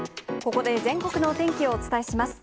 ここで全国のお天気をお伝えします。